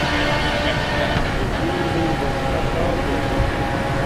سکُول لیݵ بستا کاجک چھا